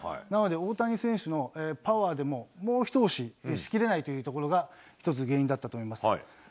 なので、大谷選手のパワーでも、もう一押ししきれないというところが１つ、原因だったと思います。